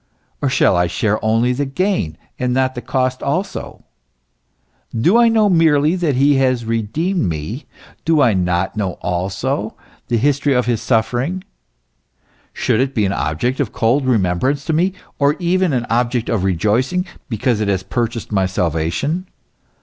Or shall I share only the gain, and not the cost also ? Do I know merely that he has redeemed me ? Do I not also know the history of his suffering ? Should it be an object of cold remembrance to me, or even an object of rejoicing, because it has purchased my salvation